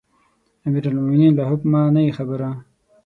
امیرالمؤمنین له حکمه نه یې خبره.